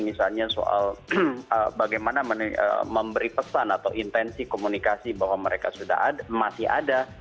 misalnya soal bagaimana memberi pesan atau intensi komunikasi bahwa mereka masih ada